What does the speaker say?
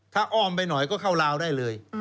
ถ้าอ้อมไปหน่อยก็เข้าลาวได้เลย